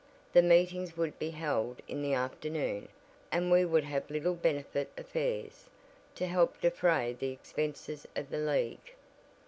The meetings would be held in the afternoon, and we would have little benefit affairs, to help defray the expenses of the League."